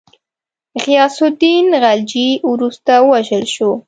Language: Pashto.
غیاث االدین خلجي وروسته ووژل شو.